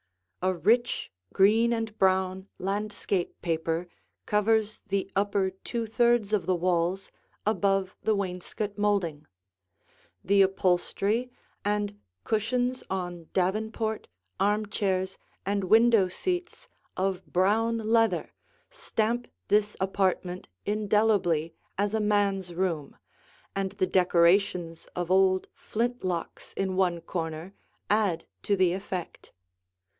A rich green and brown landscape paper covers the upper two thirds of the walls above the wainscot molding. The upholstery and cushions on davenport, armchairs, and window seats of brown leather stamp this apartment indelibly as a man's room, and the decorations of old flint locks in one corner add to the effect.